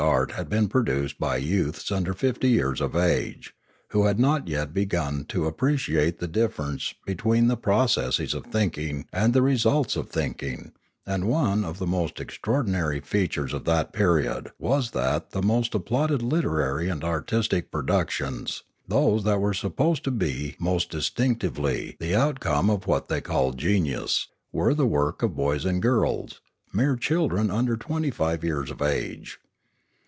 art had been produced by youths under fifty years of age, who had not yet begun to appreciate the differ ence between the processes of thinking and the results of thinking; and one of the most extraordinary feat ures of that period was that the most applauded literary and artistic productions, those that were supposed to be most distinctively the outcome of what they called genius, were the work of boys and girls, mere children under twenty five years of age.